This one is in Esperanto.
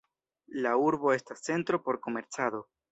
La urbo estas centro por komercado.